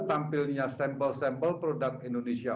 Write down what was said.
tampilnya sampel sampel produk indonesia